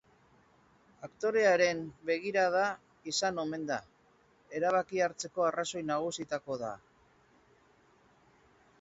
Aktorearen begirada izan omen da erabakia hartzeko arrazoi nagusietako da.